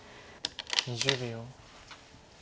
２０秒。